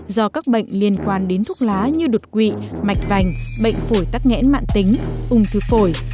do các bệnh liên quan đến thuốc lá như đột quỵ mạch vành bệnh phổi tắc nghẽn mạng tính ung thư phổi